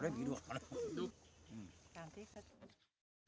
ดูข่าวด้วยผีด้วย